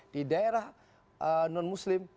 di daerah non muslim